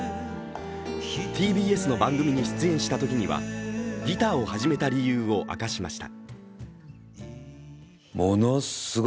ＴＢＳの番組に出演したときにはギターを始めた理由を明かしました。